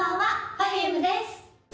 Ｐｅｒｆｕｍｅです。